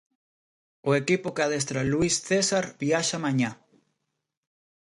O equipo que adestra Luís César viaxa mañá.